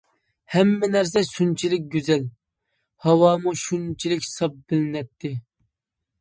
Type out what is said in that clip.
ھەممە نەرسە شۇنچىلىك گۈزەل، ھاۋامۇ شۇنچىلىك ساپ بىلىنەتتى.